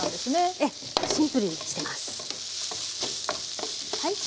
ええシンプルにしてます。